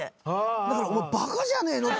だからお前バカじゃねえの？って。